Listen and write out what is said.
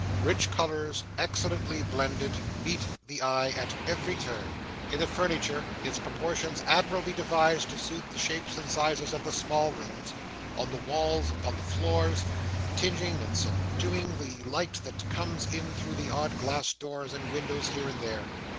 Rich colours, excellently blended, meet the eye at every turn; in the furniture—its proportions admirably devised to suit the shapes and sizes of the small rooms; on the walls; upon the floors; tingeing and subduing the light that comes in through the odd glass doors and windows here and there.